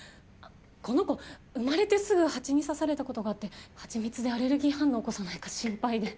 この子生まれてすぐ蜂に刺された事があってはちみつでアレルギー反応を起こさないか心配で。